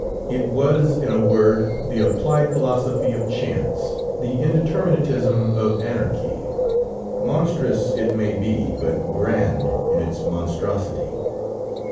It was, in a word, the applied philosophy of chance, the indeterminateism of anarchy. Monstrous it may be, but grand in its monstrosity.